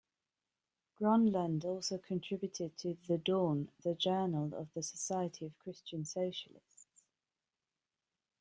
Gronlund also contributed to "The Dawn", the journal of the Society of Christian Socialists.